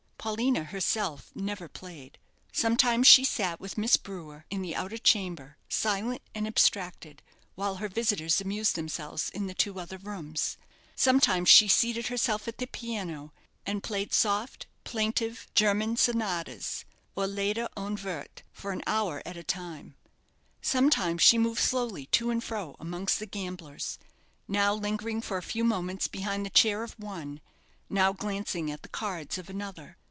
Paulina, herself, never played. Sometimes she sat with Miss Brewer in the outer chamber, silent and abstracted, while her visitors amused themselves in the two other rooms; sometimes she seated herself at the piano, and played soft, plaintive German sonatas, or Leider ohne Worte, for an hour at a time; sometimes she moved slowly to and fro amongst the gamblers now lingering for a few moments behind the chair of one, now glancing at the cards of another.